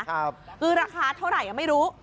คือราคาเท่าไหร่ไม่รู้